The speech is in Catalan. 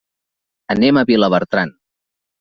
Anem a Vilabertran.